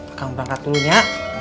akan berangkat dulu nya